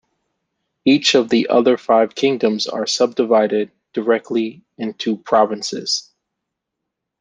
Each of the other five kingdoms are subdivided directly into provinces.